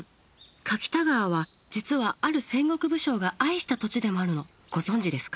柿田川は実はある戦国武将が愛した土地でもあるのご存じですか？